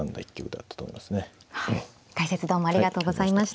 はい解説どうもありがとうございました。